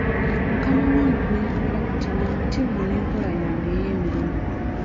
Mukama wange gwe nkolera kati mumativu n'enkola yange ey'emirimu.